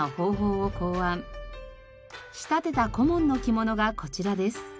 仕立てた小紋の着物がこちらです。